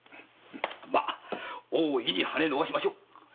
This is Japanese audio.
ま大いに羽を伸ばしましょう！